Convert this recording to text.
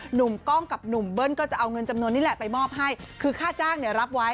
หนุ่มกล้องกับหนุ่มเบิ้ลก็จะเอาเงินจำนวนนี้แหละไปมอบให้คือค่าจ้างเนี่ยรับไว้